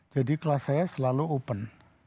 jadi kelas saya selalu open